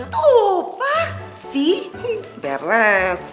tuh masih beres